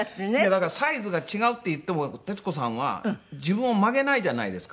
だからサイズが違うって言っても徹子さんは自分を曲げないじゃないですか。